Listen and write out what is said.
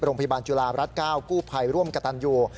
โรงพยาบาลจุฬารัฐ๙กู้ภัยร่วมกับตันยู